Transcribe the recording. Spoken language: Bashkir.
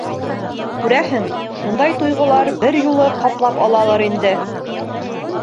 — Күрәһең, шундай тойғолар бер юлы ҡаплап алалыр инде.